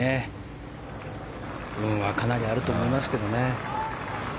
運はかなりあると思いますね。